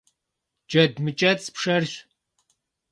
Джэд мыкӏэцӏ пшэрщ.